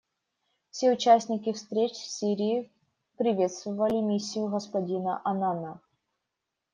Все участники встреч в Сирии приветствовали миссию господина Аннана.